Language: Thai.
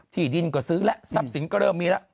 ที่ดินก็ซื้อแล้วทรัพย์สินก็เริ่มมีแล้ว